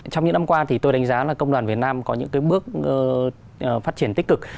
trong những năm qua thì tôi đánh giá là công đoàn việt nam có những bước phát triển tích cực